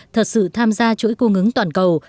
thật sự tham gia chuỗi cung ứng toàn cầu